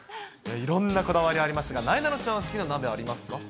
いろんなこだわりありましたが、なえなのちゃんは好きな鍋ありますか？